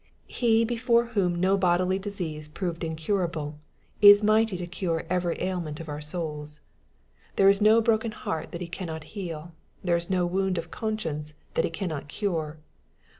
He before whom no bodily disease proved incurable, is mighty to cure every ailment of our souls. There is no broken MATTHEW, CHAP. V. 31 heart that He caanot heal. There is no wound of conscience that He cannot cure.